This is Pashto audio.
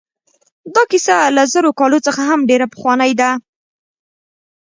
دا کیسه له زرو کالو څخه هم ډېره پخوانۍ ده.